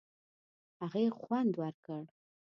هغې خوند ورکړ.